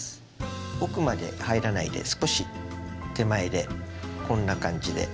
奥まで入らないで少し手前でこんな感じで。